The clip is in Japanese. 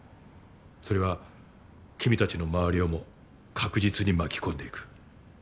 それは君たちの周りをも確実に巻き込んでいく。